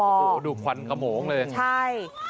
โอ้โฮดูควันกระโมงเลยเนี่ยจริงจริง